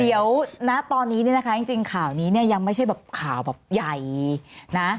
เดี๋ยวนะตอนนี้เนี่ยนะคะจริงข่าวนี้เนี่ยยังไม่ใช่แบบข่าวแบบใหญ่นะ